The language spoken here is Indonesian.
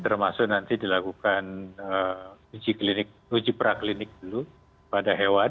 termasuk nanti dilakukan uji klinik uji praklinik dulu pada hewan